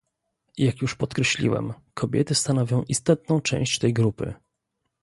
Jak już podkreśliłem, kobiety stanowią istotną część tej grupy